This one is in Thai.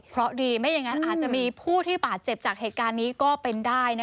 เพราะดีไม่อย่างนั้นอาจจะมีผู้ที่บาดเจ็บจากเหตุการณ์นี้ก็เป็นได้